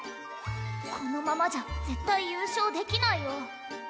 このままじゃ絶対優勝できないよ。